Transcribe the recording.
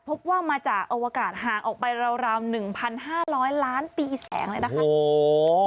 พบว่ามาจากอวกาศห่างออกไปราว๑๕๐๐ล้านปีแสงเลยนะคะ